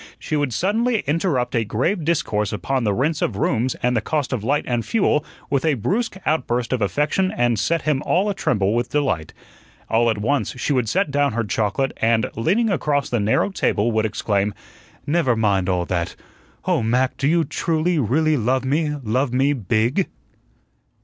She would suddenly interrupt a grave discourse upon the rents of rooms and the cost of light and fuel with a brusque outburst of affection that set him all a tremble with delight. All at once she would set down her chocolate, and, leaning across the narrow table, would exclaim: "Never mind all that! Oh, Mac, do you truly, really love me love me BIG?"